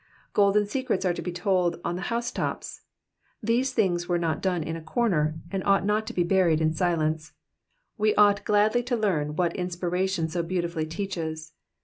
Golden secrets are to be told on the house tops ; these things were not done in a comer and ought not to be buried in silence. We ought gladly to learn what inspiration so beautifully teaches.